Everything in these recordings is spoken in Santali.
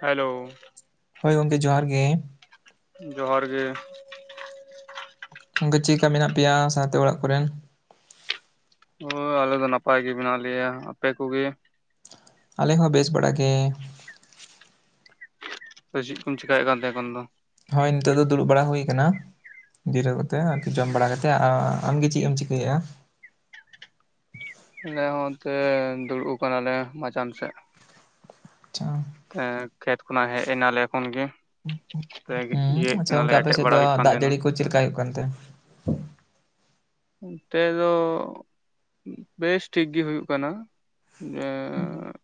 ᱦᱮᱞᱳ! ᱦᱳᱭ ᱜᱚᱝᱠᱮ ᱡᱚᱦᱟᱨ ᱜᱮ ᱾ ᱡᱚᱦᱟᱨ ᱜᱮ ᱾ ᱜᱚᱝᱠᱮ ᱪᱮᱫ ᱞᱮᱠᱟ ᱢᱮᱱᱟᱜ ᱯᱮᱭᱟ ᱥᱟᱶᱛᱮ ᱚᱲᱟᱜ ᱠᱚ ᱨᱮᱱ? ᱦᱳᱭ ᱟᱞᱮ ᱫᱚ ᱱᱟᱯᱟᱭ ᱜᱮ ᱢᱮᱱᱟᱜ ᱞᱮᱭᱟ, ᱟᱯᱮ ᱠᱚᱜᱮ? ᱟᱞᱮ ᱦᱚᱸ ᱵᱮᱥ ᱵᱟᱲᱟ ᱜᱮ᱾ ᱪᱮᱫ ᱠᱚᱢ ᱪᱮᱠᱟᱭᱮᱜ ᱠᱟᱱᱛᱮ ᱮᱠᱷᱟᱱ ᱫᱚ? ᱦᱳᱭ ᱱᱤᱛᱳᱜ ᱫᱚ ᱫᱩᱲᱩᱵ ᱵᱟᱲᱟ ᱦᱩᱭ ᱟᱠᱟᱱᱟ ᱡᱤᱨᱟᱹ ᱠᱟᱛᱮ ᱟᱨᱠᱤ ᱡᱚᱢ ᱵᱟᱲᱟ ᱠᱟᱛᱮᱫ, ᱟ ᱟᱢᱜᱮ ᱪᱮᱫ ᱮᱢ ᱪᱤᱠᱟᱹᱭᱮᱜᱼᱟ? ᱟᱞᱮ ᱦᱚᱸ ᱚᱱᱛᱮ ᱫᱩᱲᱩᱵ ᱟᱠᱟᱱᱟᱞᱮ ᱢᱟᱪᱟᱱ ᱥᱮᱫ ᱾ ᱟᱪᱪᱷᱟ ᱾ ᱮ ᱠᱷᱮᱛ ᱠᱷᱚᱱᱟᱜ ᱦᱮᱡ ᱮᱱᱟᱞᱮ ᱮᱠᱷᱚᱱ ᱜᱮ ᱾ ᱛᱮᱜ ᱦᱩᱸ ᱤᱭᱟᱹᱮᱜ ᱟᱪᱪᱷᱟ ᱠᱟᱱᱟᱞᱮ ᱜᱚᱝᱠᱮ ᱟᱯᱮ ᱮᱴᱮᱜ ᱥᱮᱫ ᱫᱚ ᱵᱟᱲᱟ ᱦᱩᱭᱩᱜ ᱠᱟᱱ ᱫᱟᱜ ᱛᱟᱦᱮᱱᱟ᱾ ᱡᱟᱹᱲᱤ ᱠᱚ ᱪᱮᱫ ᱞᱮᱠᱟ ᱦᱩᱭᱩᱜ ᱠᱟᱱᱛᱮ? ᱱᱚᱛᱮ ᱫᱚ ᱵᱮᱥ ᱴᱷᱤᱠ ᱜᱮ ᱦᱩᱭᱩᱜ ᱠᱟᱱᱟ᱾ [inaudible]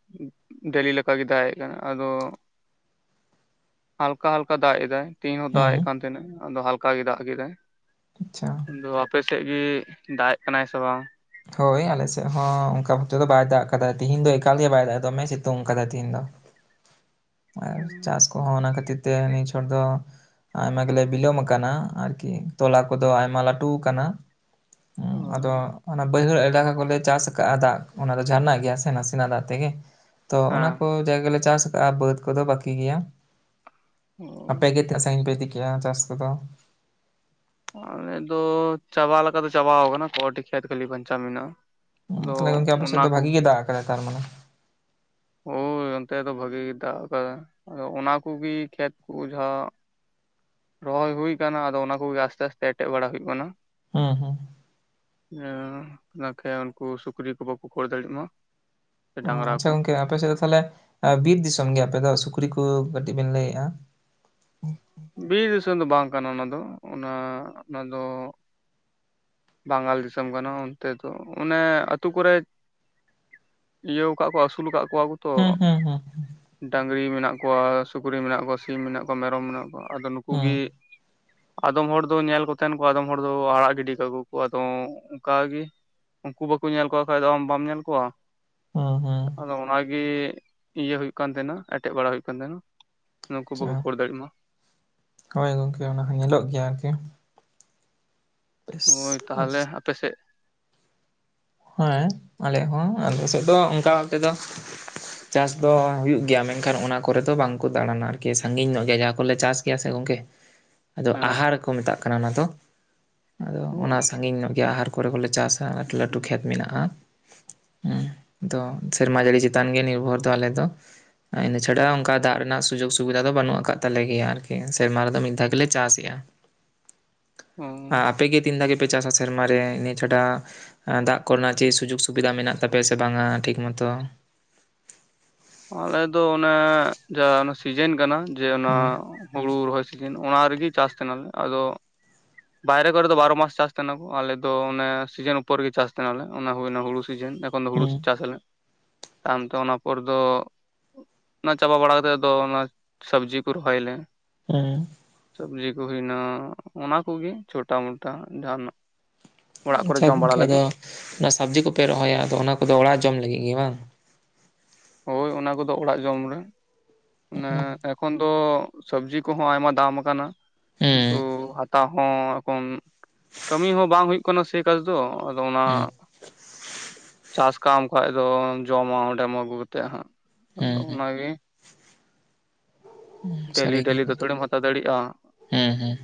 ᱰᱮᱞᱤ ᱞᱠᱟᱜᱮ ᱫᱟᱜ ᱮ ᱠᱟᱱᱟ, ᱟᱫᱚ ᱦᱟᱞᱠᱟ ᱦᱟᱞᱠᱟ ᱫᱟᱜ ᱮᱫᱟᱭ ᱾ ᱛᱤᱦᱤᱧ ᱦᱚᱸ ᱫᱟᱜ ᱦᱩᱸ ᱮᱜ ᱠᱟᱱ ᱛᱟᱦᱮᱸᱱᱟᱭ, ᱟᱫᱚ ᱦᱟᱞᱠᱟ ᱜᱮ ᱫᱟᱜ ᱠᱮᱫᱟᱭ ᱟᱪᱪᱷᱟ ᱟᱫᱚ ᱴᱷᱮᱜ ᱜᱮ ᱫᱟᱜ ᱮᱜ ᱠᱟᱱᱟᱭ ᱥᱮ ᱵᱟᱝ? ᱦᱳᱭ ᱟᱞᱮᱥᱮᱫ ᱦᱚᱸ ᱚᱝᱠᱟ ᱵᱷᱟᱵ ᱛᱮᱫᱚ ᱵᱟᱭ ᱫᱟᱜ ᱠᱟᱫᱟᱭ, ᱛᱤᱦᱤᱱ ᱫᱚ ᱮᱠᱟᱞ ᱜᱮ ᱵᱟᱭ ᱫᱟᱜ ᱮᱫᱟ ᱫᱚᱢᱮ ᱥᱤᱛᱚᱝ ᱠᱟᱫᱟᱭ ᱛᱤᱦᱤᱱ ᱫᱚ ᱾ ᱟᱨ ᱪᱟᱥ ᱠᱚᱦᱚᱸ ᱚᱱᱟ ᱠᱷᱟᱹᱛᱤᱨ ᱛᱮ ᱱᱤ ᱪᱷᱚᱴ ᱫᱚᱼᱼ ᱟᱭᱢᱟ ᱜᱮᱞᱮ ᱵᱤᱞᱚᱢ ᱟᱠᱟᱱᱟ, ᱟᱨᱠᱤ ᱛᱚᱞᱟ ᱠᱚᱫᱚ ᱟᱭᱢᱟ ᱞᱟᱹᱴᱩ ᱟᱠᱟᱱᱟ ᱾ ᱦᱩ ᱚ ᱟᱫᱚᱼᱼ ᱚᱱᱟ ᱵᱟᱹᱭᱦᱟᱹᱲ ᱮᱞᱟᱠᱟ ᱠᱚᱞᱮ ᱪᱟᱥ ᱟᱠᱟᱫᱼᱟ ᱫᱟᱜ ᱚᱱᱟ ᱫᱚ ᱡᱷᱟᱨᱱᱟᱜ ᱜᱮᱭᱟ ᱥᱮ ᱱᱟᱥᱮ ᱱᱟᱜ ᱫᱟᱜ ᱛᱮᱜᱮ ᱾ ᱛᱚ ᱚᱱᱟ ᱦᱮᱸ ᱠᱚ ᱡᱟᱭᱜᱟ ᱞᱮ ᱪᱟᱥ ᱠᱟᱜᱼᱟ ᱵᱟᱹᱫᱽ ᱠᱚᱫᱚ ᱵᱟᱹᱠᱤ ᱜᱮᱭᱟ ᱾ ᱚ ᱟᱯᱮ ᱜᱮ ᱛᱤᱱᱟᱜ ᱥᱟᱺᱜᱤᱧ ᱯᱮ ᱤᱫᱤ ᱠᱮᱜᱼᱟ ᱪᱟᱥ ᱠᱚᱫᱚ? ᱟᱞᱮ ᱫᱚ ᱪᱟᱵᱟ ᱞᱮᱠᱟ ᱞᱮᱠᱟᱛᱮ ᱪᱟᱵᱟ ᱟᱠᱟᱱᱟ, ᱠᱚᱴᱤ ᱠᱷᱮᱛ ᱠᱷᱟᱹᱞᱤ ᱵᱟᱧᱪᱟᱣ ᱢᱮᱱᱟᱜᱼᱟ ᱾ ᱛᱟᱦᱞᱮ ᱜᱚᱝᱠᱮ ᱟᱯᱮ ᱥᱮᱫ ᱫᱚ ᱵᱷᱟᱜᱤ ᱜᱮ ᱫᱟᱜ ᱟᱠᱟᱫᱟᱭ ᱛᱟᱨ ᱢᱟᱱᱮ? ᱦᱚᱭ ᱚᱱᱛᱮ ᱫᱚ ᱵᱷᱟᱜᱤ ᱜᱮ ᱫᱟᱜ ᱟᱠᱟᱫᱟ ᱾ ᱟᱫᱚ ᱚᱱᱟ ᱠᱚᱜᱮ ᱠᱷᱮᱛ ᱠᱚ ᱡᱟᱦᱟᱸ, ᱨᱚᱦᱚᱭ ᱦᱩᱭ ᱟᱠᱟᱱᱟ ᱟᱫᱚ ᱚᱱᱟ ᱠᱚᱜᱮ ᱟᱥᱼᱼ ᱠᱷᱟᱥ ᱛᱮ ᱮᱴᱮᱫ ᱵᱟᱲᱟ ᱦᱩᱭᱩᱜ ᱠᱟᱱᱟ ᱾ ᱦᱮᱸ ᱦᱮᱸ ᱾ ᱦᱩᱸ ᱵᱟᱠᱷᱟᱱ ᱩᱱᱠᱩ ᱥᱩᱠᱨᱤ ᱠᱚ ᱵᱟᱠᱚ ᱠᱷᱚᱲ ᱫᱟᱲᱤᱭᱟᱜ ᱢᱟ ᱾ ᱟᱪᱪᱷᱟ ᱜᱚᱝᱠᱮ, ᱟᱯᱮ ᱥᱮᱫ ᱫᱚ ᱛᱟᱦᱚᱞᱮ ᱵᱤᱨ ᱫᱤᱥᱚᱢ ᱜᱮ ᱟᱯᱮ ᱫᱚ ᱥᱩᱠᱨᱤ ᱠᱚ ᱠᱟᱹᱴᱤᱡ ᱵᱮᱱ ᱞᱟᱹᱭᱮᱜᱼᱟ ᱾ ᱵᱤᱨ ᱫᱤᱥᱚᱢ ᱫᱚ ᱵᱟᱝ ᱠᱟᱱᱟ ᱚᱱᱟ ᱫᱚ, ᱚᱱᱟ ᱚᱱᱟ ᱫᱚᱼᱼ ᱵᱟᱝᱜᱟᱞ ᱫᱤᱥᱚᱢ ᱠᱟᱱᱟ ᱚᱱᱛᱮ ᱫᱚ ᱾ ᱚᱱᱮ ᱟᱹᱛᱩ ᱠᱚᱨᱮᱼᱼ ᱤᱭᱟᱹᱣ ᱠᱟᱫ ᱠᱚᱣᱟ ᱟᱹᱥᱩᱞᱟ ᱠᱟᱫ ᱠᱚᱣᱟ ᱠᱚᱛᱚ ᱦᱩᱸ ᱦᱩᱸ ᱦᱩᱸ ᱰᱟᱝᱼᱼ ᱰᱷᱤᱲᱤ ᱢᱮᱱᱟᱜ ᱠᱚᱣᱟ, ᱥᱩᱠᱨᱤ ᱢᱮᱱᱟᱜ ᱠᱚᱣᱟ, ᱥᱤᱢ ᱢᱮᱱᱟᱜ ᱠᱚᱣᱟ, ᱢᱮᱨᱚᱢ ᱢᱮᱱᱟᱜ ᱠᱚᱣᱟ, ᱟᱫᱚ ᱱᱩᱠᱩ ᱦᱩᱸ ᱜᱮᱼᱼ ᱟᱫᱚᱢ ᱦᱚᱲ ᱫᱚ ᱧᱮᱞ ᱠᱚᱛᱮᱝ ᱠᱚ ᱟᱫᱚᱢ ᱦᱚᱲ ᱫᱚ ᱟᱲᱟᱜ ᱜᱤᱰᱤ ᱠᱟᱠᱚᱼᱼ ᱠᱚ ᱟᱫᱚ ᱚᱝᱠᱟ ᱜᱮ, ᱩᱱᱠᱩ ᱵᱟᱠᱚ ᱧᱮᱞ ᱠᱚᱣᱟ ᱠᱷᱟᱡ ᱫᱚ ᱟᱢ ᱵᱟᱢ ᱧᱮᱞ ᱠᱚᱣᱟ ᱾ ᱦᱩᱸ ᱦᱩᱸ ᱟᱫᱚ ᱚᱱᱟ ᱜᱮ ᱤᱭᱟᱹ ᱦᱩᱭᱩᱜ ᱠᱟᱱ ᱛᱟᱦᱮᱱᱟ ᱮᱴᱮᱫ ᱵᱟᱲᱟ ᱦᱩᱭᱩᱜ ᱠᱟᱱ ᱛᱟᱦᱮᱱᱟ ᱾ ᱱᱩᱠᱩ ᱵᱟᱠᱚ ᱠᱷᱳᱲ ᱫᱟᱲᱮᱭᱟᱜ ᱢᱟ ᱾ ᱦᱚᱭ ᱜᱚᱝᱠᱮ ᱚᱱᱟ ᱦᱚᱸ ᱧᱮᱞᱚᱜ ᱜᱮᱭᱟ ᱟᱨᱠᱤ ᱾ ᱵᱮᱥ ᱦᱳᱭ ᱟᱪᱪᱷᱟ ᱛᱟᱦᱚᱞᱮ ᱾ ᱟᱯᱮ ᱥᱮᱫᱼᱼ ᱦᱮᱸ ᱟᱞᱮᱭᱟᱜ ᱦᱚᱸ ᱟᱞᱮ ᱥᱮᱫ ᱫᱚ ᱚᱱᱠᱟ ᱚᱱᱛᱮ ᱫᱚᱼᱼ ᱪᱟᱥ ᱫᱚ ᱦᱩᱭᱩᱜ ᱜᱮᱭᱟ ᱢᱮᱱᱠᱷᱟᱱ ᱚᱱᱟ ᱠᱚᱨᱮ ᱫᱚ ᱵᱟᱝᱠᱚ ᱫᱟᱸᱬᱟᱱᱟ ᱟᱨᱠᱤ ᱥᱟᱺᱜᱤᱧ ᱧᱚᱜ ᱜᱮᱭᱟ ᱡᱟᱦᱟᱸ ᱠᱚᱞᱮ ᱪᱟᱥ ᱜᱮᱭᱟ ᱥᱮ ᱜᱚᱝᱠᱮ ᱾ ᱟᱫᱚ ᱦᱮᱸ ᱟᱦᱟᱨ ᱠᱚ ᱢᱮᱛᱟᱜ ᱠᱟᱱᱟ ᱚᱱᱟ ᱫᱚ, ᱟᱫᱚ ᱚ ᱚᱱᱟ ᱥᱟᱺᱜᱤᱧ ᱧᱚᱜ ᱜᱮᱭᱟ ᱟᱦᱟᱨ ᱾ ᱦᱩᱲᱩ ᱠᱚᱞᱮ ᱪᱟᱥᱟ ᱞᱟᱹᱴᱩ ᱞᱟᱹᱴᱩ ᱠᱷᱮᱛ ᱢᱮᱱᱟᱜᱼᱟ ᱾ ᱦᱮᱸ, ᱫᱚ ᱥᱮᱨᱢᱟ ᱡᱟᱹᱲᱤ ᱪᱮᱛᱟᱱ ᱜᱮ ᱱᱤᱨᱵᱷᱚᱨ ᱫᱚ ᱟᱞᱮ ᱫᱚ ᱾ ᱤᱱᱟᱹ ᱪᱷᱟᱰᱟ ᱚᱝᱠᱟ ᱫᱟᱜ ᱨᱮᱱᱟᱜ ᱥᱩᱡᱳᱜᱽ ᱥᱩᱵᱤᱫᱷᱟ ᱫᱚ ᱵᱟᱹᱱᱩᱜ ᱟᱠᱟᱫ ᱛᱟᱞᱮ ᱜᱮᱭᱟ ᱟᱨᱠᱤ, ᱥᱮᱨᱢᱟ ᱨᱮᱫᱚ ᱢᱤᱫ ᱫᱷᱟᱣ ᱜᱮᱞᱮ ᱪᱟᱥᱮᱜᱼᱟ ᱚ ᱾ ᱟᱯᱮ ᱜᱮ ᱛᱤᱱ ᱫᱷᱟᱣ ᱜᱮᱯᱮ ᱪᱟᱥᱟ ᱥᱮᱨᱢᱟ ᱨᱮ ᱤᱱᱟᱹ ᱪᱷᱟᱰᱟ? ᱫᱟᱜ ᱠᱚᱨᱮ ᱱᱟᱜ ᱪᱮᱫ ᱥᱩᱡᱳᱜᱽ ᱥᱩᱵᱤᱫᱟ ᱢᱮᱱᱟᱜ ᱛᱟᱯᱮᱭᱟ ᱥᱮ ᱵᱟᱝᱟ ᱴᱷᱤᱠ ᱢᱚᱛᱚ? ᱟᱞᱮ ᱫᱚ ᱚᱱᱮ ᱡᱟ ᱚᱱᱟ ᱥᱤᱡᱮᱱ ᱠᱟᱱᱟ ᱡᱮ ᱚᱱᱟᱼᱼ ᱦᱮᱸ ᱦᱩᱲᱩ ᱨᱚᱦᱚᱭ ᱥᱤᱡᱤᱱ ᱚᱱᱟ ᱨᱮᱜᱮ ᱪᱟᱥ ᱛᱟᱦᱮ ᱱᱟᱞᱮ, ᱟᱫᱚᱼᱼ ᱵᱟᱭᱨᱮ ᱠᱚᱨᱮ ᱫᱚ ᱵᱟᱨᱚ ᱢᱟᱥ ᱪᱟᱥ ᱛᱟᱦᱮ ᱱᱟᱠᱚ, ᱟᱞᱮ ᱫᱚ ᱢᱟᱱᱮ ᱥᱤᱡᱤᱱ ᱩᱯᱚᱨ ᱨᱮᱜᱮ ᱪᱟᱥ ᱛᱟᱦᱮ ᱱᱟᱞᱮ ᱾ ᱚᱱᱟ ᱦᱩᱭᱱᱟ ᱦᱩᱲᱩ ᱥᱤᱡᱤᱱᱼᱼ ᱛᱚᱠᱷᱚᱱ ᱫᱚ ᱦᱩᱲᱩ ᱦᱮᱸ ᱪᱟᱥ ᱟᱞᱮ, ᱛᱟᱭᱚᱢ ᱛᱮ ᱚᱱᱟ ᱯᱚᱨᱼᱼ ᱫᱚ ᱚᱱᱟ ᱪᱟᱵᱟ ᱵᱟᱲᱟ ᱠᱟᱛᱮᱫ ᱫᱚ ᱚᱱᱟ ᱥᱚᱵᱽᱡᱤ ᱠᱚ ᱨᱚᱦᱚᱭᱟᱞᱮ ᱾ ᱦᱩᱸ ᱥᱚᱵᱽᱡᱤ ᱠᱚ ᱦᱩᱭᱱᱟ, ᱚᱱᱟ ᱠᱚᱜᱮ ᱪᱷᱚᱴᱟ ᱢᱚᱴᱟ ᱡᱟᱦᱟᱱᱟᱜᱼᱼ ᱟᱪᱪᱷᱟ ᱜᱚᱝᱠᱮ ᱟᱫᱚ ᱚᱱᱟ ᱥᱚᱵᱽᱡᱤ ᱠᱚᱯᱮ ᱨᱚᱦᱚᱭᱟ ᱟᱫᱚ ᱚᱱᱟ ᱠᱚᱫᱚ ᱚᱲᱟᱜ ᱡᱚᱢ ᱞᱟᱹᱜᱤᱜ ᱜᱮ ᱵᱟᱝ? ᱦᱚᱭ ᱚᱱᱟ ᱠᱚᱫᱚ ᱚᱲᱟᱜ ᱡᱚᱢ ᱨᱮ, ᱚᱱᱮ ᱮᱯᱼᱼ ᱮᱠᱷᱚᱱ ᱫᱚ ᱥᱚᱵᱽᱡᱤ ᱠᱚᱦᱚᱸ ᱟᱭᱢᱟ ᱫᱟᱢ ᱠᱟᱱᱟ ᱠᱤᱱᱛᱩ ᱦᱩᱸ ᱦᱟᱛᱟᱣᱼᱼ ᱦᱚᱸ ᱮᱠᱷᱚᱱ, ᱠᱟᱹᱢᱤ ᱦᱚᱸ ᱵᱟᱝ ᱦᱩᱭᱩᱜ ᱠᱟᱱᱟ ᱥᱮ ᱮᱠᱟᱞ ᱫᱚ ᱟᱫᱚ ᱚᱱᱟᱼᱼ ᱦᱩᱸ ᱪᱟᱥ ᱠᱟᱢ ᱠᱷᱟᱡ ᱫᱚ ᱡᱚᱢᱟ ᱚᱸᱰᱮᱢ ᱟᱹᱜᱩ ᱠᱟᱛᱮ ᱦᱟᱸᱜ ᱾ ᱦᱩᱸ ᱟᱫᱚ ᱦᱩᱸ ᱚᱱᱟᱜᱮ ᱰᱮᱞᱤ ᱥᱟᱹᱨᱤ ᱜᱮ ᱰᱮᱞᱤ ᱫᱚ ᱜᱚᱝᱠᱮ ᱛᱷᱚᱲᱮᱢ ᱦᱟᱛᱟᱣ ᱫᱟᱲᱮᱜᱼᱟ? ᱦᱩᱸ ᱦᱩᱸ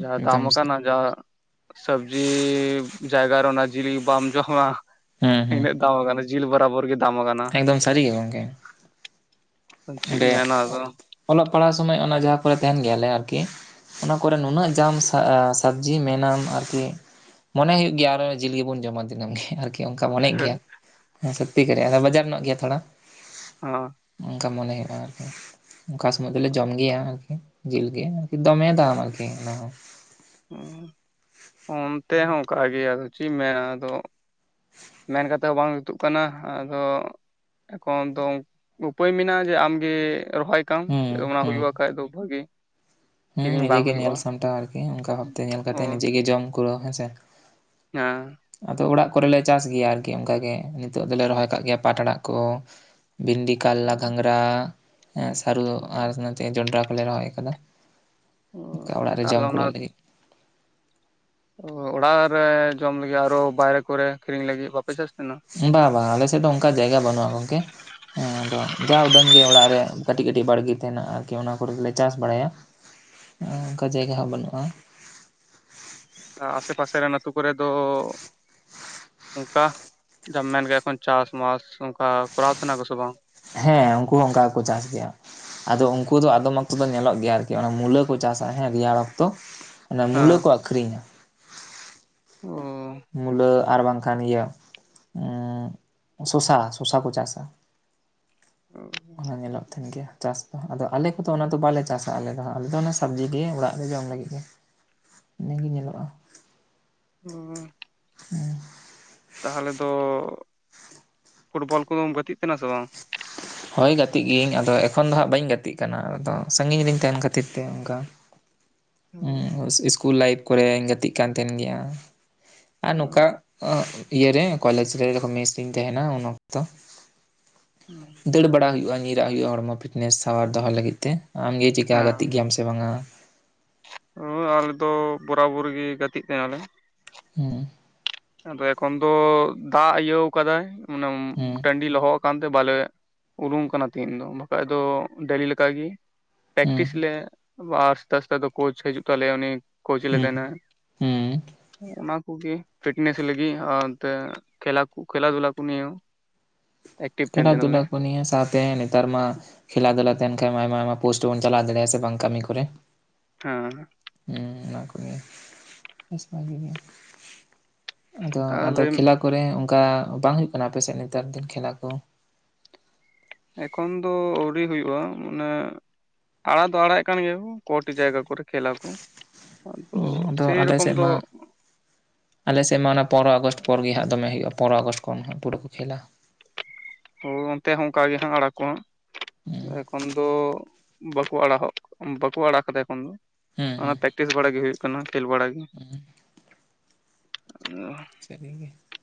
ᱡᱟᱦᱟᱸ ᱫᱟᱢ ᱮᱠᱫᱚᱢ ᱥᱟᱹᱨᱤ ᱠᱟᱱᱟ ᱡᱟ ᱥᱚᱵᱽᱡᱤ ᱡᱟᱭᱜᱟ ᱨᱮ ᱚᱱᱟ ᱡᱤᱞ ᱵᱟᱢ ᱡᱚᱢᱟ ᱦᱩᱸ ᱦᱩᱸ ᱤᱱᱟᱹᱜ ᱫᱟᱢ ᱠᱟᱱᱟ᱾ ᱡᱤᱞ ᱵᱟᱨᱟ ᱵᱚᱨ ᱜᱮ᱾ ᱫᱟᱢ ᱟᱠᱟᱱᱟ ᱮᱠᱫᱚᱢ ᱥᱟᱹᱨᱤ ᱜᱮ ᱜᱚᱝᱠᱮ᱾ ᱪᱮᱫ ᱮᱢ ᱚᱸᱰᱮ ᱢᱮᱱᱟ ᱟᱫᱚ᱾ ᱚᱞᱚᱜ ᱯᱟᱲᱦᱟᱣ ᱥᱚᱢᱚᱭ ᱚᱱᱟ ᱡᱟᱦᱟᱸ ᱠᱚᱨᱮ ᱛᱟᱦᱮᱸᱱ ᱜᱮᱭᱟᱞᱮ ᱟᱨᱠᱤ ᱚᱱᱟ ᱠᱚᱨᱮ ᱱᱩᱱᱟᱹᱜ ᱡᱟᱢ ᱥᱟ ᱟᱸ ᱥᱚᱵᱽᱡᱤ ᱢᱮᱱᱟᱢ ᱟᱨᱠᱤ ᱢᱚᱱᱮ ᱦᱩᱭᱩᱜ ᱜᱮᱭᱟ ᱟᱨᱚ ᱡᱤᱞ ᱜᱮᱵᱚᱱ ᱡᱚᱢᱟ ᱫᱤᱱᱟᱹᱢ ᱜᱮ ᱟᱨᱠᱤ᱾ ᱫᱤᱭᱮ ᱚᱱᱠᱟ ᱢᱚᱱᱮᱜ ᱜᱮᱭᱟ ᱦᱮᱸ ᱥᱚᱛᱛᱤ ᱠᱟᱨᱮ ᱟᱫᱚ ᱵᱟᱡᱟᱨ ᱧᱚᱜ ᱜᱮᱭᱟ ᱛᱷᱚᱲᱟ᱾ ᱚᱸ᱾ ᱛᱚ ᱢᱚᱱᱮ ᱦᱩᱭᱩᱜᱼᱟ ᱟᱨᱠᱤ ᱚᱠᱟ ᱥᱚᱢᱚᱭ ᱫᱚᱞᱮ ᱡᱚᱢ ᱜᱮᱭᱟ ᱟᱨᱠᱤ᱾ ᱡᱤᱞ ᱜᱮ ᱟᱨᱠᱤ ᱫᱚᱢᱮ ᱫᱟᱢᱟ ᱟᱨᱠᱤ ᱚᱱᱟ ᱦᱚᱸ ᱚᱸ ᱚᱱᱛᱮ ᱦᱚᱸ ᱚᱱᱠᱟ ᱜᱮ ᱟᱫᱚ ᱪᱮᱫ ᱢᱮᱱᱟ ᱟᱫᱚ ᱢᱮᱱ ᱠᱟᱛᱮᱫ ᱦᱚᱸ ᱵᱟᱝ ᱡᱩᱛᱩᱜ ᱠᱟᱱᱟ ᱟᱫᱚ ᱮᱠᱷᱚᱱ ᱫᱚ ᱩᱯᱟᱹᱭ ᱢᱮᱱᱟᱜᱼᱟ ᱡᱮ ᱟᱢᱜᱮ ᱨᱚᱦᱚᱭ ᱠᱟᱢ ᱡᱮ ᱦᱩᱸ ᱚᱱᱟ ᱦᱩᱸ ᱦᱩᱭᱩᱜᱼᱟ ᱠᱷᱟᱡ ᱫᱚ ᱵᱷᱟᱜᱤ ᱦᱩᱸ ᱱᱤᱡᱮ ᱜᱮ ᱧᱮᱞ ᱥᱟᱢᱴᱟᱣ ᱟᱨᱠᱤ ᱚᱱᱠᱟ ᱵᱷᱟᱵᱽᱛᱮ ᱧᱮᱞ ᱚ ᱠᱟᱛᱮ ᱱᱤᱡᱮ ᱜᱮ ᱡᱚᱢ ᱠᱩᱨᱟᱹᱣ ᱦᱮᱸᱥᱮ? ᱟᱸ᱾ ᱟᱫᱚ ᱚᱲᱟᱜ ᱠᱚᱨᱮᱞᱮ ᱪᱟᱥ ᱜᱮᱭᱟ ᱟᱨᱠᱤ ᱚᱱᱠᱟᱜᱮ ᱱᱤᱛᱚᱜ ᱫᱚᱞᱮ ᱨᱚᱦᱚᱭ ᱠᱟᱜ ᱜᱮᱭᱟ ᱯᱟᱴᱲᱟᱜ ᱠᱚ ᱵᱷᱤᱱᱰᱤ, ᱠᱟᱞᱞᱟ, ᱜᱷᱟᱸᱝᱽᱨᱟ, ᱥᱟᱹᱨᱩ, ᱟᱨᱛᱮ ᱡᱚᱱᱰᱨᱟ ᱠᱚᱞᱮ ᱨᱚᱦᱚᱭ ᱠᱟᱫᱟ ᱾ ᱚᱱᱠᱟ ᱚᱲᱟᱜ ᱨᱮ ᱡᱚᱢ ᱛᱟᱦᱚᱞᱮ ᱚᱱᱟ ᱠᱩᱲᱟ ᱞᱟᱹᱜᱤᱫ ᱾ ᱚᱲᱟᱜ ᱨᱮ ᱡᱚᱢ ᱞᱟᱹᱜᱤᱫ ᱟᱨᱚ ᱵᱟᱭᱨᱮ ᱠᱚᱨᱮ ᱠᱤᱨᱤᱧ ᱞᱟᱹᱜᱤᱫ ᱵᱟᱯᱮ ᱪᱟᱥ ᱛᱟᱦᱮᱸᱱᱟ? ᱵᱟ ᱵᱟ ᱟᱞᱮᱥᱮᱫ ᱫᱚ ᱚᱱᱠᱟ ᱡᱟᱭᱜᱟ ᱵᱟᱹᱱᱩᱜᱼᱟ ᱜᱚᱝᱠᱮ ᱾ ᱦᱮᱸ ᱛᱚ ᱟᱫᱚ ᱡᱟ ᱩᱰᱟᱹᱝ ᱜᱮ ᱚᱲᱟᱜ ᱨᱮ ᱠᱟᱹᱴᱤᱡ ᱠᱟᱹᱴᱤᱡ ᱵᱟᱲᱜᱮ ᱛᱟᱦᱮᱸᱱᱟ ᱟᱨᱠᱤ ᱚᱱᱟ ᱠᱚᱨᱮ ᱫᱚᱞᱮ ᱪᱟᱥ ᱵᱟᱲᱟᱭᱟ ᱾ ᱚᱱᱠᱟ ᱡᱟᱭᱜᱟ ᱦᱚᱸ ᱵᱟᱹᱱᱩᱜᱼᱟ ᱾ ᱟ ᱟᱥᱮ ᱯᱟᱥᱮᱨᱮᱱ ᱟᱹᱛᱩᱳ ᱠᱚᱨᱮ ᱫᱚ ᱚᱱᱠᱟ ᱡᱟ ᱢᱮᱱᱠᱮᱜ ᱮᱠᱷᱚᱱ ᱪᱟᱥᱢᱟᱥ ᱚᱱᱠᱟ ᱠᱚᱨᱟᱣ ᱛᱟᱦᱮᱸᱱᱟ ᱠᱚ ᱥᱮ ᱵᱟᱝ? ᱦᱮᱸ ᱩᱱᱠᱩ ᱦᱚᱸ ᱚᱱᱠᱟ ᱜᱮᱠᱚ ᱪᱟᱥ ᱜᱮᱭᱟ ᱾ ᱟᱫᱚ ᱩᱱᱠᱩ ᱫᱚ ᱟᱫᱚᱢ ᱚᱠᱛᱚ ᱫᱚ ᱧᱮᱞᱚᱜ ᱜᱮᱭᱟ ᱟᱨᱠᱤ ᱚᱱᱟ ᱢᱩᱞᱟᱹ ᱠᱚ ᱪᱟᱥᱟ ᱦᱮᱸ ᱨᱮᱭᱟᱲ ᱚᱠᱛᱚ, ᱚᱱᱮ ᱢᱩᱞᱟᱹ ᱦᱮᱸ ᱠᱚ ᱟᱹᱷᱨᱤᱧᱟ ᱾ ᱚ᱾ ᱢᱩᱞᱟᱹ ᱟᱨ ᱵᱟᱝᱠᱷᱟᱱ ᱤᱭᱟᱹ ᱩᱸᱜ ᱥᱚᱥᱟ ᱥᱚᱥᱟ ᱠᱚ ᱪᱟᱥᱟ ᱚᱱᱟ ᱧᱮᱞᱚᱜᱼᱟ ᱛᱟᱦᱮᱸᱱ ᱜᱮᱭᱟ ᱪᱟᱥ ᱫᱚ ᱟᱫᱚ ᱟᱞᱮ ᱠᱚᱫᱚ ᱚᱱᱟ ᱫᱚ ᱵᱟᱞᱮ ᱪᱟᱥᱟ ᱟᱞᱮ ᱫᱚ ᱟᱞᱮ ᱫᱚ ᱚᱱᱟ ᱥᱚᱵᱽᱡᱤ ᱜᱮ ᱚᱲᱟᱜ ᱨᱮ ᱡᱚᱢ ᱞᱟᱹᱜᱤᱫ᱾ ᱜᱮ ᱾ ᱤᱱᱟᱹᱜᱮ ᱧᱮᱞᱚᱜᱼᱟ ᱾ ᱩᱸ᱾ ᱩᱸ᱾ ᱛᱟᱦᱚᱞᱮ ᱫᱚ ᱯᱷᱩᱴᱵᱚᱞ ᱠᱚᱫᱚᱢ ᱜᱟᱛᱮᱜ ᱛᱟᱦᱮᱸᱱᱟ ᱥᱮ ᱵᱟᱝ? ᱦ [inaudible] ᱦᱳᱭ ᱜᱟᱛᱮᱜ ᱜᱤᱭᱟᱹᱧ ᱟᱫᱚ ᱮᱠᱷᱚᱱ ᱫᱚ ᱦᱟᱸᱜ ᱵᱟᱹᱧ ᱜᱟᱛᱮᱜ ᱠᱟᱱᱟ ᱟᱫᱚ ᱥᱟᱜᱤᱧ ᱨᱮᱤᱧ ᱛᱟᱦᱮᱸᱱ ᱠᱷᱟᱹᱛᱤᱨ ᱛᱮ ᱚᱱᱠᱟ [inaudible] ᱦᱩᱸ ᱤᱥᱠᱩᱞ ᱞᱟᱭᱤᱯᱷ ᱠᱚᱨᱮᱧ ᱜᱟᱛᱮᱜ ᱠᱟᱱ ᱛᱟᱦᱮᱸᱱ ᱜᱮᱭᱟ, ᱟᱨ ᱱᱚᱝᱠᱟ ᱟᱜ ᱤᱭᱟᱹ ᱨᱮ ᱠᱚᱞᱮᱡ ᱨᱮ ᱢᱤᱥ ᱨᱤᱧ ᱛᱟᱦᱮᱸᱱᱟ ᱩᱱ ᱚᱠᱛᱚ ᱾ ᱦᱩᱸ ᱾ ᱫᱟᱹᱲ ᱵᱟᱲᱟ ᱦᱩᱭᱩᱜᱼᱟ ᱧᱤᱨᱟᱜ ᱦᱩᱭᱩᱜᱼᱟ ᱦᱚᱲᱢᱚ ᱯᱷᱤᱴᱱᱮᱥ ᱥᱟᱶᱟᱨ ᱫᱚᱦᱚ ᱞᱟᱹᱜᱤᱫ ᱛᱮ, ᱟᱢᱜᱮ ᱪᱮᱠᱟ ᱜᱟᱛᱮᱜ ᱜᱮᱭᱟᱢ ᱥᱮ ᱵᱟᱝᱟ? ᱦᱮᱸ ᱟᱨ ᱫᱚ ᱵᱚᱨᱟᱵᱚᱨ ᱜᱮ ᱜᱟᱛᱮᱜ ᱛᱟᱦᱮᱸᱱᱟᱞᱮ ᱾ ᱦᱩᱸ ᱾ ᱟᱫᱚ ᱮᱠᱷᱚᱱ ᱫᱚ ᱫᱟᱜ ᱤᱭᱟᱹ ᱟᱠᱟᱫᱟᱭ ᱢᱟᱱᱮ ᱦᱩᱸ ᱟᱹᱰᱤ ᱞᱚᱦᱚᱫ ᱟᱠᱟᱱ ᱛᱮ ᱵᱟᱞᱮ ᱩᱰᱩᱝ ᱠᱟᱱᱟ ᱛᱮᱦᱤᱧ ᱫᱚ, ᱵᱟᱠᱷᱟᱡ ᱫᱚ ᱰᱮᱞᱤ ᱞᱮᱠᱟ ᱜᱮ ᱾ ᱦᱩᱸ ᱯᱮᱠᱴᱤᱥ ᱞᱮ ᱟᱨ ᱥᱮᱛᱟᱜ, ᱥᱮᱛᱟᱜ ᱫᱚ ᱠᱳᱪ ᱦᱤᱡᱩᱜ ᱛᱟᱞᱮᱭᱟ ᱩᱱᱤ ᱠᱳᱪ ᱞᱮ ᱦᱩᱸ ᱛᱟᱦᱮᱱᱟ ᱾ ᱦᱩᱸ ᱚᱱᱟ ᱠᱚᱜᱮ ᱾ ᱯᱷᱤᱴᱱᱮᱥ ᱞᱟᱹᱜᱤᱫ ᱟᱨᱛᱮ ᱠᱷᱮᱞᱟ ᱠᱷᱮᱞᱟ ᱫᱷᱩᱞᱟ ᱠᱚ ᱱᱤᱭ ᱠᱷᱮᱞᱟ ᱫᱷᱩᱞᱟ ᱠᱚ ᱱᱤᱭᱟᱹ ᱥᱟᱛ ᱛᱮ ᱱᱮᱛᱟᱨ ᱢᱟ ᱠᱷᱮᱞᱟᱫᱩᱞᱟ ᱛᱟᱦᱮᱱ ᱠᱷᱟᱱ ᱢᱟ ᱟᱭᱢᱟ, ᱟᱭᱢᱟ ᱯᱳᱥᱴ ᱵᱚᱱ ᱪᱟᱞᱟᱣ ᱫᱟᱲᱮᱭᱟᱜᱼᱟ ᱥᱮ ᱵᱟᱝ ᱠᱟᱹᱢᱤ ᱠᱚᱨᱮ? ᱦᱮᱸ ᱾ ᱦᱮᱸ ᱚᱱᱟ ᱠᱚᱜᱮ ᱵᱮᱥᱢᱟ ᱜᱮ ᱾ ᱟᱫᱚ, ᱟᱫᱚ ᱛᱟᱦᱚᱞᱮ ᱠᱷᱮᱞᱟ ᱠᱚᱨᱮ ᱚᱱᱠᱟ ᱵᱟᱝ ᱦᱩᱭᱩᱜ ᱠᱟᱱᱟ, ᱟᱯᱮᱥᱮᱫ ᱱᱮᱛᱟᱨ ᱫᱤᱱ ᱠᱷᱮᱞᱟ ᱠᱚ? ᱮᱠᱷᱚᱱ ᱫᱚ ᱟᱹᱣᱨᱤ ᱦᱩᱭᱩᱜᱳᱜᱼᱟ ᱢᱟᱱᱮ ᱟᱲᱟᱜ ᱫᱚ ᱟᱲᱟᱜᱮᱫ ᱠᱟᱱ ᱜᱮᱭᱟ ᱠᱚᱴᱤ ᱡᱟᱭᱜᱟ ᱠᱚᱨᱮ ᱠᱷᱮᱞᱟ ᱠᱚ ᱾ ᱟᱫᱚ ᱟᱫᱚ ᱥᱮᱨᱚᱠᱚᱢ ᱫᱚ ᱟᱞᱮᱥᱮᱫ ᱢᱟ ᱚᱱᱟ ᱯᱚᱨᱚ ᱟᱜᱚᱥᱴ ᱯᱚᱨᱮ ᱦᱟᱸᱜ ᱫᱚᱢᱮ ᱦᱩᱭᱩᱜᱼᱟ, ᱯᱚᱱᱚᱨᱚ ᱟᱜᱚᱥᱴ ᱠᱷᱚᱱ ᱦᱟᱸ ᱯᱩᱨᱟᱹ ᱠᱚ ᱠᱷᱮᱞᱟ ᱾ ᱦᱳ ᱚᱱᱛᱮ ᱦᱚᱸ ᱚᱱᱠᱟᱜ ᱜᱮ ᱦᱟᱸᱜ ᱟᱲᱟᱜ ᱠᱚ ᱦᱟᱸᱜ ᱾ ᱮᱠᱷᱚᱱ ᱫᱚ ᱵᱟᱠᱚ ᱟᱲᱟᱜᱚᱜ ᱵᱟᱠᱚ ᱟᱲᱟᱜ ᱠᱟᱫᱟ ᱮᱠᱷᱚᱱ ᱫᱚ ᱦᱩᱸ ᱾ ᱚᱱᱟ ᱦᱩᱸ ᱯᱮᱠᱴᱤᱥ ᱵᱟᱲᱟ ᱜᱮ ᱦᱩᱭᱩᱜ ᱠᱟᱱᱟ, ᱠᱷᱹᱮᱞ ᱵᱟᱲᱟ ᱜᱮ ᱾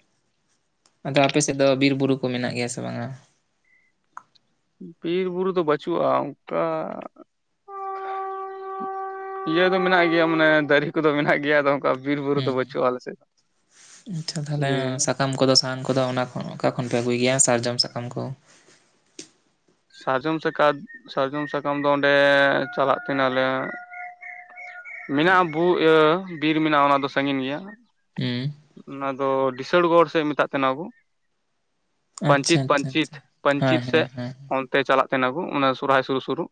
[inaudible] ᱟᱫᱚ ᱟᱯᱮ ᱥᱮᱫ ᱫᱚ ᱵᱤᱨ ᱵᱩᱨᱩ ᱠᱚ ᱢᱮᱱᱟᱜ ᱜᱮᱭᱟ ᱥᱮ ᱵᱟᱝᱟ? ᱵᱤᱨ ᱵᱩᱨᱩ ᱫᱚ ᱵᱟᱹᱪᱩᱜᱼᱟ ᱚᱱᱠᱟ ᱤᱭᱟᱹ ᱫᱚ ᱢᱮᱱᱟᱜ ᱜᱮᱭᱟ ᱢᱟᱱᱮ ᱫᱟᱨᱮ ᱠᱚᱫᱚ ᱢᱮᱱᱟᱜ ᱜᱮᱭᱟ ᱟᱫᱚ ᱵᱤᱨ ᱵᱩᱨᱩ ᱫᱚ ᱦᱩᱸ ᱦᱩᱸ ᱵᱟᱹᱪᱩᱜ ᱟᱞᱮ ᱥᱮ ᱟᱪᱪᱷᱟ ᱡᱮ ᱛᱟᱦᱚᱞᱮ ᱥᱟᱠᱟᱢ ᱠᱚᱫᱚ, ᱥᱟᱦᱟᱱ ᱠᱚᱫᱚ, ᱚᱱᱟ ᱚᱠᱟ ᱠᱷᱚᱱ ᱯᱮ ᱟᱹᱜᱩᱭ ᱜᱮᱭᱟ ᱥᱟᱨᱡᱚᱢ ᱥᱟᱠᱟᱢ ᱠᱚ? ᱥᱟᱨᱡᱚᱢ ᱥᱮ ᱠᱟᱛ ᱥᱟᱨᱡᱚᱢ, ᱥᱟᱠᱟᱢ ᱫᱚ ᱚᱸᱰᱮ ᱪᱟᱞᱟᱜ ᱛᱟᱦᱮ ᱱᱟᱞᱮ ᱢᱮᱱᱟᱜᱼᱟ ᱵᱩ ᱤᱭᱟᱹ ᱵᱤᱨ ᱢᱮᱱᱟᱜᱼᱟ, ᱚᱱᱟ ᱫᱚ ᱥᱟᱺᱜᱤᱧ ᱜᱮᱭᱟ ᱾ ᱦᱩᱸ ᱾ ᱚᱱᱟ ᱫᱚ ᱰᱤᱥᱟᱹᱲᱜᱚᱲ ᱥᱮᱫ ᱥᱮ ᱢᱮᱛᱟᱜ ᱠᱟᱱᱟ ᱟᱵᱚ ᱾ ᱟᱪᱪᱷᱟ ᱯᱟᱹᱱᱪᱤᱛ, ᱟᱪᱪᱷᱟ ᱯᱟᱹᱱᱪᱤᱛ, ᱟᱪᱪᱷᱟ ᱦᱮᱸ ᱯᱟᱹᱱᱪᱤᱛ ᱥᱮ ᱦᱮᱸ ᱦᱮᱸ ᱚᱱ ᱛᱮ ᱪᱟᱞᱟᱜ ᱛᱟᱦᱮ ᱱᱟᱠᱩ, ᱚᱱᱟ ᱥᱚᱨᱦᱟᱭ ᱥᱩᱨᱩᱜ ᱥᱩᱨᱩᱜ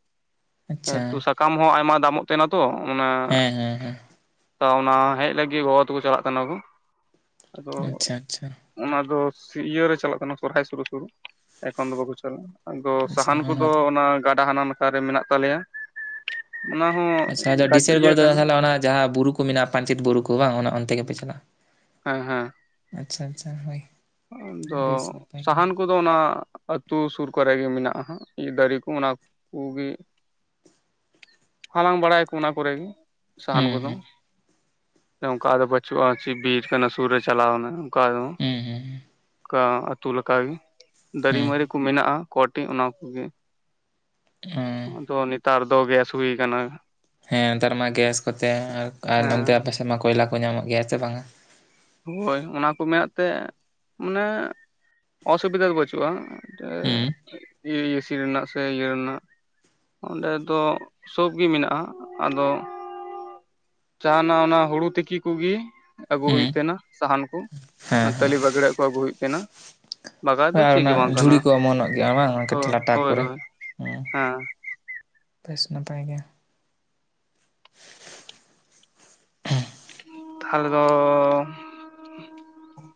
ᱟᱪᱪᱷᱟ ᱛᱚ ᱥᱟᱠᱟᱢ ᱦᱚᱸ ᱟᱭᱢᱟ ᱫᱟᱢᱚᱜ ᱛᱟᱦᱮᱱᱟ ᱛᱚ᱾ ᱚᱱᱟ, ᱦᱮᱸ ᱦᱮᱸ ᱦᱮᱸ ᱚᱱᱟ ᱦᱮᱡ ᱞᱟᱹᱜᱤᱫ ᱜᱚᱜᱚ ᱛᱟᱠᱚ ᱪᱟᱞᱟᱜ ᱠᱟᱱᱟ ᱠᱚ ᱾ ᱟᱫᱚ ᱟᱪᱪᱷᱟ ᱟᱪᱪᱷᱟ ᱚᱱᱟ ᱫᱚ ᱤᱭᱟᱹ ᱨᱮ ᱪᱟᱞᱟᱜ ᱠᱟᱱᱟ ᱥᱚᱨᱦᱟᱭ ᱥᱩᱨᱩᱜ, ᱥᱩᱨᱩᱜ ᱮᱠᱷᱚᱱ ᱫᱚ ᱵᱟᱠᱚ ᱪᱟᱞᱟᱜᱼᱟ ᱾ ᱟᱫᱚ ᱟᱪᱪᱷᱟ ᱥᱟᱦᱟᱱ ᱠᱚᱫᱚ ᱫᱚ ᱚᱱᱟ ᱜᱟᱰᱟ ᱦᱟᱱᱟ ᱞᱮᱠᱟᱨᱮ ᱢᱮᱱᱟᱜ ᱛᱟᱞᱮᱭᱟ᱾ ᱚᱱᱟ ᱦᱚᱸ ᱟᱪᱪᱷᱟ ᱡᱟ ᱜᱟᱡ ᱰᱤᱥᱮᱥᱜᱚᱨ ᱤᱭᱟᱹ ᱨᱮ ᱠᱟᱱᱟ ᱛᱟᱦᱚᱞᱮ ᱚᱱᱟ ᱡᱟᱦᱟᱸ ᱵᱩᱨᱩ ᱠᱚ ᱢᱮᱱᱟᱜᱼᱟ, ᱯᱟᱧᱪᱮᱛ ᱵᱩᱨᱩ ᱠᱚ ᱵᱟᱝ ᱚᱱᱟ ᱚᱱᱛᱮ ᱜᱮᱯᱮ ᱪᱟᱞᱟᱜᱼᱟ᱾ ᱦᱮᱸ, ᱦᱮᱸ ᱾ ᱟᱪᱪᱷᱟ, ᱟᱪᱪᱷᱟ ᱦᱳᱭ ᱾ ᱟᱫᱚ ᱥᱟᱦᱟᱱ ᱠᱚ ᱫᱚ ᱚᱱᱟ ᱟᱹᱛᱩ ᱥᱩᱨ ᱠᱚᱨᱮ ᱜᱮ ᱢᱮᱱᱟᱜᱼᱟ, ᱫᱟᱨᱮ ᱠᱚ ᱚᱱᱟ ᱠᱩ ᱜᱮ ᱾ ᱦᱟᱞᱟᱝ ᱵᱟᱲᱟᱭ ᱟᱠᱚ ᱚᱱᱟ ᱠᱚᱨᱮ ᱥᱟᱦᱟᱱ ᱦᱩᱸ ᱠᱚᱫᱚ ᱦᱩᱸ ᱾ ᱚᱱᱠᱟ ᱫᱚ ᱵᱟᱹᱪᱩᱜᱼᱟ, ᱪᱤᱫ ᱵᱤᱨ ᱠᱟᱱᱟ ᱥᱩᱨ ᱨᱮ ᱪᱟᱞᱟᱣ ᱮᱱᱟ ᱚᱱᱠᱟ ᱫᱚ ᱦᱩᱸ, ᱦᱩᱸ ᱾ ᱚᱱᱠᱟ ᱟᱹᱛᱩ ᱞᱮᱠᱟ ᱜᱮ᱾ ᱫᱟᱨᱮ ᱦᱩᱸ ᱢᱟᱨᱮ ᱠᱚ ᱢᱮᱱᱟᱜᱼᱟ ᱠᱚᱴᱤ ᱚᱱᱟ ᱠᱚ ᱜᱮ ᱾ ᱚᱸ ᱟᱫᱚ ᱱᱮᱛᱟᱨ ᱫᱚ ᱜᱮᱥ ᱦᱩᱭ ᱟᱠᱟᱱᱟ ᱾ ᱦᱮᱸ ᱱᱮᱛᱟᱨ ᱢᱟ ᱜᱮᱥ ᱠᱚᱛᱮ ᱟᱨ, ᱟᱨ ᱱᱚᱱᱛᱮ ᱦᱮᱸ ᱟᱯᱮ ᱥᱮᱫ ᱢᱟ ᱠᱚᱭᱞᱟ ᱠᱚ ᱧᱟᱢᱚᱜ ᱜᱮᱭᱟ ᱥᱮ ᱵᱟᱝ-ᱟ? ᱦᱳᱭ ᱚᱱᱟ ᱠᱚ ᱢᱮᱱᱟᱜ ᱛᱮ ᱢᱟᱱᱮ ᱚᱥᱩᱵᱤᱫᱟ ᱫᱚ ᱵᱟᱹᱪᱩᱜᱼᱟ ᱾ ᱦᱩᱸ [unintelligible] ᱤᱭᱟᱹ ᱤᱭᱟᱹᱥᱤ ᱨᱮᱱᱟᱜ ᱥᱮ ᱤᱭᱟᱹ ᱨᱮᱱᱟᱜ ᱾ ᱚᱸᱰᱮ ᱫᱚ ᱥᱳᱵ ᱜᱮ ᱢᱮᱱᱟᱜᱼᱟ ᱟᱫᱚ ᱡᱟᱦᱟᱱᱟᱜ ᱚᱱᱟ ᱦᱩᱲᱩ ᱛᱤᱠᱤ ᱠᱚᱜᱮ ᱟᱹᱜᱩ ᱦᱩᱭᱩᱜ ᱦᱩᱸ ᱛᱟᱦᱮᱱᱟ ᱥᱟᱦᱟᱱ ᱠᱚ ᱾ ᱦᱮᱸ ᱦᱮᱸ ᱛᱟᱞᱤ ᱵᱟᱹᱜᱽᱲᱮᱜ ᱠᱚ ᱟᱹᱜᱩ ᱦᱩᱭᱩᱜ ᱛᱟᱦᱮᱱᱟ ᱾ ᱵᱟᱜᱟᱡ ᱫᱚ ᱦᱳᱭ ᱟᱨ ᱪᱮᱫ ᱜᱮ ᱚᱱᱟ ᱵᱟᱝ ᱠᱟᱱᱟ, ᱡᱷᱩᱲᱤ ᱠᱚ ᱚᱢᱚᱱᱚᱜ ᱜᱮᱭᱟ ᱵᱟᱝ ᱦᱳᱭ, ᱠᱟᱹᱴᱤᱡ ᱞᱟᱴᱟ ᱦᱳᱭ ᱠᱚᱨᱮ ᱦᱳᱭ ᱦᱩᱸ ᱾ ᱦᱮᱸ ᱾ ᱵᱮᱥ ᱱᱟᱯᱟᱭ ᱜᱮ ᱾ ᱛᱟᱦᱚᱞᱮ ᱫᱚ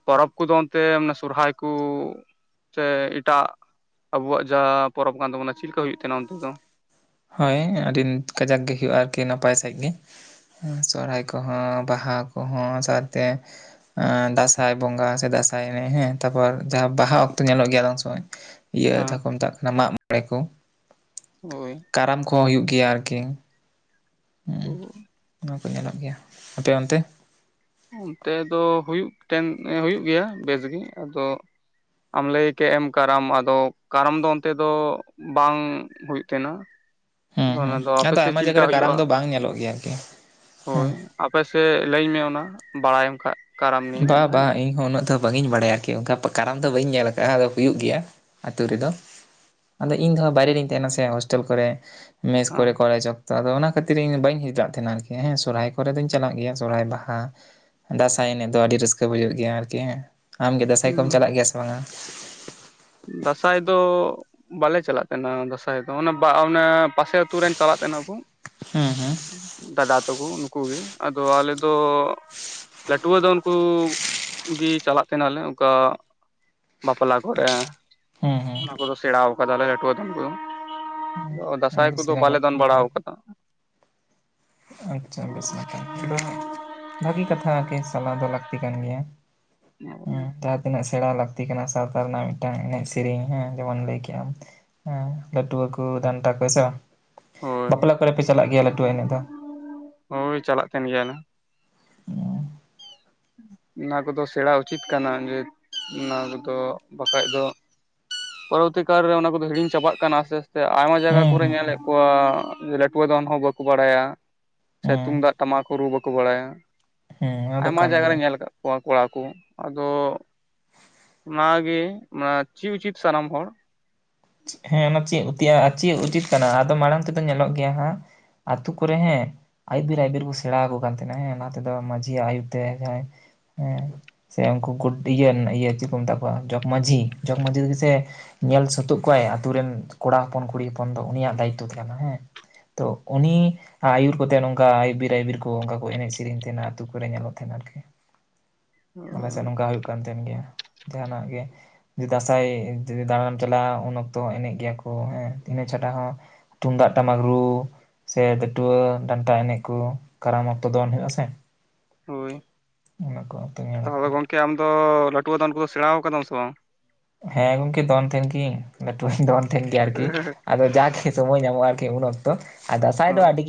ᱯᱚᱨᱚᱵᱽ ᱠᱚᱫᱚ ᱚᱱᱛᱮ ᱢᱟᱱᱮ ᱥᱚᱨᱦᱟᱭ ᱠᱚ‌ ᱥᱮ ᱮᱴᱟᱜ ᱟᱵᱚᱣᱟᱜ ᱡᱟᱦᱟᱸ ᱯᱚᱨᱚᱵᱽ ᱠᱟᱱ ᱛᱟᱵᱚᱱᱟ ᱪᱮᱫ ᱞᱮᱠᱟ ᱦᱩᱭᱩᱜ ᱛᱟᱦᱮᱱᱟ ᱚᱱᱛᱮ ᱫᱚ? ᱦᱳᱭ ᱟᱹᱰᱤ ᱠᱟᱡᱟᱠ ᱜᱮ ᱦᱩᱭᱩᱜᱼᱟ ᱟᱨᱠᱤ ᱱᱟᱯᱟᱭ ᱥᱟᱺᱦᱤᱡ ᱜᱮ ᱾ ᱥᱚᱨᱦᱟᱭ ᱠᱚᱦᱚᱸ ᱵᱟᱦᱟ ᱠᱚᱦᱚᱸ ᱥᱟᱶᱛᱮ ᱮ ᱫᱟᱸᱥᱟᱭ ᱵᱚᱸᱜᱟ ᱥᱮ ᱫᱟᱸᱥᱟᱭ ᱮᱱᱮᱡ ᱦᱮᱸ ᱛᱟᱨᱯᱚᱨ ᱡᱟᱦᱟᱸ ᱵᱟᱦᱟ ᱚᱠᱛᱚ ᱧᱮᱞᱚᱜ ᱜᱮᱭᱟ ᱟᱫᱚᱝ ᱥᱚᱢᱚᱭ ᱤᱭᱟᱹ ᱦᱮᱸ ᱡᱟᱦᱟ ᱠᱚ ᱢᱮᱛᱟᱜ ᱠᱟᱱᱟ ᱢᱟᱜ ᱢᱚᱬᱮ ᱠᱚ ᱾ ᱦᱳᱭ ᱾ ᱠᱟᱨᱟᱢ ᱠᱚᱦᱚᱸ ᱦᱩᱭᱩᱜ ᱜᱮᱭᱟ ᱟᱨᱠᱤ ᱚ ᱾ ᱱᱚᱣᱟ ᱠᱚ ᱧᱮᱞᱚᱜ ᱜᱮᱭᱟ ᱟᱯᱮ ᱚᱱᱛᱮ‌? ᱚᱱᱛᱮ ᱫᱚ ᱦᱩᱭᱩᱜ ᱴᱮᱱ ᱦᱩᱭᱩᱜ ᱜᱮᱭᱟ ᱵᱮᱥᱜᱤ ᱟᱫᱚ ᱟᱢ ᱞᱟᱹᱭ ᱠᱮᱫ ᱮᱢ ᱠᱟᱨᱟᱢ ᱟᱫᱚ ᱠᱟᱨᱟᱢ ᱫᱚ ᱚᱱᱛᱮ ᱫᱚ ᱵᱟᱝ ᱦᱩᱭᱩᱜ ᱛᱟᱦᱮᱱᱟ ᱾ ᱦᱩᱸ, ᱟᱫᱚ ᱚᱱᱟ ᱦᱩᱸ᱾ ᱫᱚ ᱟᱯᱮ ᱟᱫᱚ ᱥᱮᱫ ᱟᱭᱢᱟ ᱪᱮᱫ ᱡᱟᱭᱜᱟ ᱞᱮᱠᱟ ᱨᱮ ᱦᱩᱭᱩᱜᱼᱟ? ᱠᱟᱨᱟᱢ ᱫᱚ ᱵᱟᱝ ᱧᱮᱞᱚᱜ ᱜᱮᱭᱟ ᱟᱨᱠᱤ, ᱦᱳᱭ ᱦᱮᱸ᱾ ᱾ ᱟᱯᱮ ᱥᱮᱫ ᱞᱟᱹᱭᱟᱹᱧ ᱢᱮ ᱚᱱᱟ ᱵᱟᱲᱟᱭᱟᱢ ᱠᱷᱟᱡ ᱾ ᱵᱟ ᱵᱟᱝ ᱤᱧ ᱦᱚ ᱩᱱᱟᱹᱜ ᱫᱚ ᱵᱟᱝᱤᱧ ᱵᱟᱲᱟᱭᱟ ᱟᱨᱠᱤ ᱚᱱᱠᱟ ᱠᱟᱨᱟᱢ ᱫᱚ ᱵᱟᱹᱧ ᱧᱮᱞ ᱟᱠᱟᱫᱟᱼᱟ ᱟᱫᱚ ᱦᱩᱭᱩᱜ ᱜᱮᱭᱟ ᱟᱛᱩ ᱨᱮᱫᱚ ᱾ ᱟᱫᱚ ᱤᱧ ᱫᱚᱸ ᱦᱟᱸᱜ ᱵᱟᱭᱨᱮ ᱨᱤᱧ ᱛᱟᱦᱮᱱᱟ ᱥᱮ ᱦᱳᱥᱴᱮᱞ ᱠᱚᱨᱮ ᱢᱮᱥ ᱠᱚᱨᱮ ᱠᱚᱞᱮᱡᱽ ᱚᱠ ᱛᱚ ᱟᱫᱚ ᱚᱱᱟ ᱠᱷᱟᱹᱛᱤᱨ ᱤᱧ ᱵᱟᱹᱧ ᱦᱤᱞᱟᱜ ᱛᱟᱦᱮᱱᱟ ᱟᱨ ᱠᱤ ᱦᱮᱸ ᱥᱚᱨᱦᱟᱭ ᱠᱚᱨᱮ ᱫᱚᱧ ᱪᱟᱞᱟᱜ ᱜᱮᱭᱟ ᱥᱚᱨᱦᱟᱭ, ᱵᱟᱦᱟ ᱾ ᱫᱟᱸᱥᱟᱭ ᱮᱱᱮᱡ ᱫᱚ ᱟᱹᱰᱤ ᱨᱟᱹᱥᱠᱟᱹ ᱵᱩᱡᱷᱟᱹᱜ ᱜᱮᱭᱟ ᱟᱨᱠᱤ ᱟᱢᱜᱮ ᱫᱟᱸᱥᱟᱭ ᱠᱚᱢ ᱦᱮᱸ ᱪᱟᱞᱟᱜ ᱜᱮᱭᱟ ᱥᱮ ᱵᱟᱝ-ᱟ? ᱫᱟᱸᱥᱟᱭ ᱫᱚ ᱵᱟᱞᱮ ᱪᱟᱞᱟᱜ ᱛᱟᱦᱮᱱᱟ ᱫᱟᱸᱥᱟᱭ ᱫᱚ ᱚᱱᱟ ᱚᱱᱮ ᱯᱟᱥᱮ ᱟᱹᱛᱩ ᱨᱮᱱ ᱪᱟᱞᱟᱜ ᱛᱟᱦᱮᱱᱟ ᱠᱚᱸ ᱾ ᱦᱩᱸ ᱦᱩᱸ ᱾ ᱫᱟᱫᱟ ᱛᱟᱠᱩ ᱩᱱᱠᱩ ᱜᱤ ᱟᱫᱚ ᱟᱞᱮ ᱫᱚ ᱱᱟᱹᱴᱣᱟᱹ ᱫᱚᱱ ᱠᱩ ᱜᱤ ᱪᱟᱞᱟᱜ ᱛᱟᱦᱮᱱᱟᱞᱮ ᱚᱱᱠᱟ‌ ᱵᱟᱯᱞᱟ ᱠᱚᱨᱮ, ᱦᱩᱸ ᱦᱩᱸ, ᱚᱱᱟ ᱠᱚᱫᱚ ᱥᱮᱬᱟᱣ ᱠᱟᱫᱟᱞᱮ ᱱᱟᱹᱴᱩᱣᱟᱹ ᱫᱚᱱ ᱠᱚᱫᱚ ᱾ ᱦᱩᱸ᱾ [unintelligible] ᱫᱟᱸᱥᱟᱭ ᱚᱱᱟ ᱫᱚ ᱠᱚᱫᱚ ᱥᱮᱬᱟ ᱵᱟᱞᱮ ᱞᱟᱹᱠᱛᱤ ᱫᱚᱱ ᱠᱟᱱ ᱵᱟᱲᱟᱣ ᱜᱮᱭᱟ᱾ ᱟᱠᱟᱫᱟ ᱾ ᱟᱪᱪᱷᱟ ᱵᱮᱥ ᱱᱟᱯᱟᱭ ᱟᱫᱚ ᱦᱟᱜ ᱵᱷᱟᱹᱜᱤ ᱠᱟᱛᱷᱟ ᱟᱨᱠᱤ ᱪᱟᱞᱟᱣ ᱫᱚ ᱞᱟᱹᱠᱛᱤ ᱠᱟᱱ ᱜᱮᱭᱟ ᱾ ᱾ ᱦᱩᱸ ᱡᱟᱦᱟᱸ ᱛᱤᱱᱟᱹᱜ ᱥᱮᱲᱟ ᱞᱟᱹᱠᱛᱤ ᱠᱟᱱᱟ ᱥᱟᱶᱛᱟ ᱨᱮᱱᱟᱜ ᱢᱤᱫᱴᱟᱝ ᱮᱱᱮᱡ ᱥᱮᱨᱮᱧ ᱦᱮᱸ ᱡᱮᱢᱚᱱ ᱞᱟᱹᱭ ᱠᱮᱜ ᱟᱢ ᱾ ᱦᱩᱸ ᱞᱟᱹᱴᱩᱣᱟᱹ ᱠᱩ, ᱰᱟᱱᱴᱟ ᱠᱩ, ᱦᱮ ᱥᱮ ᱵᱟᱝ? ᱦᱳᱭ ᱵᱟᱯᱞᱟ ᱠᱚᱨᱮ ᱯᱮ ᱪᱟᱞᱟᱜ ᱜᱮᱭᱟ ᱞᱟᱹᱴᱩᱣᱟᱹ ᱮᱱᱮᱡ ᱫᱚ? ᱦᱳᱭ ᱪᱟᱞᱟᱜ ᱛᱟᱦᱮᱱ ᱜᱮᱭᱟ ᱞᱮ ᱾ ᱚ ᱾ ᱚᱱᱟ ᱠᱩᱫᱚ ᱥᱮᱬᱟ ᱩᱪᱤᱛ ᱠᱟᱱᱟ ᱡᱮ ᱚᱱᱟ ᱠᱚᱫᱚ ᱵᱟᱠᱷᱟᱡ ᱫᱚ ᱯᱚᱨᱚᱵᱚᱨᱛᱤ ᱠᱟᱞᱨᱮ ᱚᱱᱟ ᱠᱚᱫᱚ ᱦᱤᱲᱤᱧ ᱪᱟᱵᱟᱜ ᱠᱟᱱᱟ ᱥᱮ ᱥᱮ ᱟᱭᱢᱟ ᱡᱟᱭᱜᱟ ᱦᱩᱸ ᱠᱚᱨᱮ ᱦᱩᱸ ᱧᱮᱞᱮᱫ ᱠᱚᱣᱟ ᱡᱮ ᱞᱟᱹᱴᱩᱣᱟᱹ ᱫᱚᱱ ᱦᱚᱸ ᱵᱟᱹᱠᱩ ᱵᱟᱲᱟᱭᱟ ᱾ ᱥᱮ ᱦᱩᱸ ᱛᱩᱢᱫᱟᱜ ᱴᱟᱢᱟᱠ ᱠᱩ ᱨᱩ ᱵᱟᱠᱩ ᱵᱟᱲᱟᱭᱟ ᱾ ᱦᱮᱸ ᱚᱱᱟ ᱫᱚ ᱠᱟᱱ ᱜᱮᱭᱟ᱾ ᱧᱮᱞ ᱟᱠᱟᱫ ᱠᱩᱣᱟ ᱠᱚᱲᱟ ᱠᱩ, ᱟᱫᱚ᱾ ᱚᱱᱟᱜᱮ ᱚᱱᱟ [unintelligible] ᱩᱪᱤᱛ ᱥᱟᱱᱟᱢ ᱦᱚᱲ, ᱦᱮᱸ ᱚᱱᱟ ᱪᱤᱜ ᱩᱛᱤᱭᱟ ᱪᱤᱜ ᱩᱪᱤᱛ ᱠᱟᱱᱟ, ᱟᱫᱚ ᱢᱟᱲᱟᱝ ᱛᱮᱫᱚ ᱧᱮᱞᱚᱜ ᱜᱮᱭᱟ ᱦᱟᱸᱜ ᱾ ᱟᱛᱩ ᱠᱚᱨᱮ ᱦᱮᱸ᱾ ᱟᱹᱭᱩᱵᱤᱨ ᱟᱹᱭᱩᱵᱤᱨ ᱵᱚ ᱥᱮᱬᱟᱣᱟ ᱠᱚ ᱠᱟᱱ ᱛᱟᱦᱮᱱᱟ ᱦᱮᱸ ᱚᱱᱟ ᱛᱮᱫᱚ ᱢᱟᱹᱡᱷᱤᱭᱟᱜ ᱟᱭᱩᱨ ᱛᱮ ᱡᱟᱦᱟᱭ ᱦᱮᱸ᱾ ᱥᱮ ᱩᱱᱠᱩ [inaudible] ᱤᱭᱟᱹ ᱤᱭᱟ. ᱪᱤᱞᱤ ᱠᱩ ᱢᱮᱛᱟ ᱠᱩᱣᱟ ᱡᱚᱜᱽ ᱢᱟᱺᱡᱷᱤ, ᱡᱚᱜᱽ ᱢᱟᱺᱡᱷᱤ ᱜᱮ ᱥᱮ ᱧᱮᱞ ᱥᱩᱛᱩᱜ ᱠᱚᱣᱟᱭ, ᱟᱛᱳ ᱨᱮᱱ ᱠᱚᱲᱟ ᱦᱚᱯᱚᱱ ᱠᱩᱲᱤ ᱦᱚᱯᱚᱱ ᱫᱚ ᱩᱱᱤᱭᱟᱜ ᱫᱟᱭᱤᱛᱛᱚ ᱛᱟᱦᱮᱸ ᱦᱮᱸ, ᱛᱚ ᱩᱱᱤ ᱟ ᱟᱹᱭᱩᱨ ᱠᱚᱛᱮ ᱱᱚᱝᱠᱟ ᱟᱭᱩᱵᱤᱨ ᱟᱭᱵᱤᱨ ᱠᱩ ᱚᱱᱠᱟ ᱠᱩ ᱮᱱᱮᱡ ᱥᱮᱨᱮᱧ ᱛᱟᱦᱮᱱᱟ, ᱟᱹᱛᱩ ᱠᱚᱨᱮ ᱧᱮᱞᱚᱜ ᱛᱟᱦᱮᱱᱟ ᱟᱨᱠᱤ᱾ ᱟᱞᱮ ᱥᱮᱫ ᱱᱚᱝᱠᱟ ᱦᱩᱭᱩᱜ ᱦᱩᱭᱩᱜ ᱠᱟᱱ ᱛᱟᱦᱮᱱ ᱜᱮᱭᱟ, ᱡᱟᱸᱦᱟᱱᱟᱜ ᱜᱮ ᱡᱩᱫᱤ ᱫᱟᱸᱥᱟᱭ ᱡᱩᱫᱤ ᱫᱟᱬᱟᱱᱮᱢ ᱪᱟᱞᱟᱜᱼᱟ᱾ ᱩᱱ ᱚᱠᱛᱚ ᱦᱚᱸ ᱮᱱᱮᱡ ᱜᱮᱭᱟ ᱠᱚ ᱦᱮᱸ ᱤᱱᱟᱹ ᱪᱷᱟᱰᱟ ᱦᱚᱸ ᱛᱩᱢᱫᱟᱜ ᱴᱟᱢᱟᱠ ᱨᱩ᱾ ᱥᱮ ᱞᱟᱹᱴᱩᱣᱟᱹ ᱰᱟᱱᱴᱟ ᱮᱱᱮᱡ ᱠᱚ ᱠᱟᱨᱟᱢ ᱚᱠᱛᱚ ᱫᱚᱱ ᱦᱩᱭᱩᱜᱼᱟ ᱥᱮ᱾ ᱦᱳᱭ ᱚᱱᱟ ᱠᱚ ᱛᱚ ᱧᱮᱞ ᱟᱠᱚ᱾ ᱠᱤ ᱟᱢᱫᱚ ᱱᱟᱹᱴᱩᱣᱟᱹ ᱫᱟᱱ ᱠᱚᱫᱚ ᱥᱮᱬᱟᱣ ᱟᱠᱟᱫᱟᱢ ᱥᱮ ᱵᱟᱝ᱾ ᱦᱮᱸ ᱜᱚᱝᱠᱮ ᱫᱚᱱ ᱛᱟᱦᱮᱱ ᱜᱤᱧ, ᱱᱟᱹᱴᱩᱣᱟᱹᱧ ᱫᱚᱱ ᱛᱟᱦᱮᱱ ᱜᱮᱭᱟ ᱟᱨᱠᱤ, ᱟᱫᱚ ᱡᱟ ᱜᱮ ᱥᱚᱢᱚᱭ ᱧᱟᱢᱼᱟ ᱟᱨᱠᱤ ᱩᱱ ᱚᱠᱛᱚ ᱟᱨ ᱫᱟᱸᱥᱟᱭ ᱫᱚ ᱦᱳᱭ ᱟᱹᱰᱤ ᱜᱤ᱾